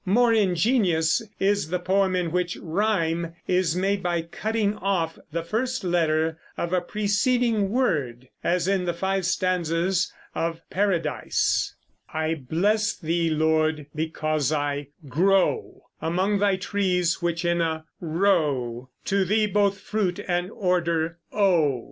More ingenious is the poem in which rime is made by cutting off the first letter of a preceding word, as in the five stanzas of "Paradise ": I bless thee, Lord, because I grow Among thy trees, which in a row To thee both fruit and order ow.